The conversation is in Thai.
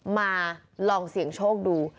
มาลองเสี่ยงโชคดู